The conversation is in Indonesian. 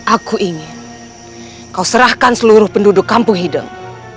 aku ingin kau serahkan seluruh penduduk kampung hideng